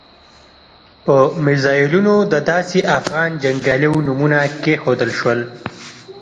په میزایلونو د داسې افغان جنګیالیو نومونه کېښودل شول.